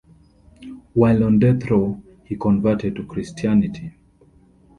While on death row, he converted to Christianity.